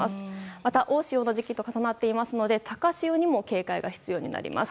また、大潮の時期と重なっていますので高潮にも警戒が必要になります。